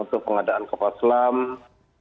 untuk pengadaan kepala sejarah dan